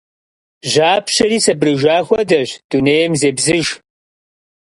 Жьапщэри сабырыжа хуэдэщ. Дунейм зебзыж.